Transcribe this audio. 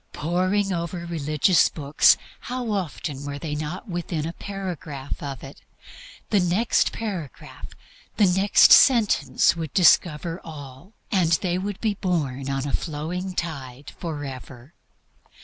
Poring over religious books, how often were they not within a paragraph of it; the next page, the next sentence, would discover all, and they would be borne on a flowing tide forever.